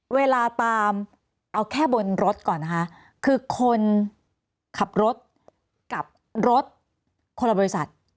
เวลาตามเอาแค่บนรถก่อนนะคะคือคนขับรถกับรถคนละบริษัท